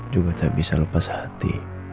juga tak bisa lepas hati